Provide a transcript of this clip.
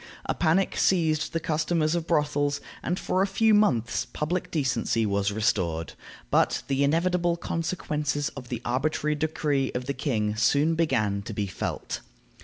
A panic seized the customers of brothels, and for a few months public decency was restored. But the inevitable consequences of the arbitrary decree of the king soon began to be felt.